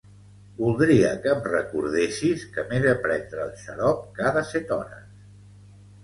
Voldria que em recordessis que m'he de prendre el xarop cada set hores.